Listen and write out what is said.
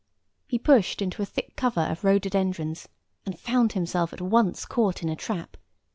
He pushed into a thick cover of rhododendrons, and found himself at once caught in a trap.